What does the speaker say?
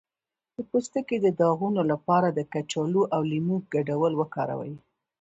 د پوستکي د داغونو لپاره د کچالو او لیمو ګډول وکاروئ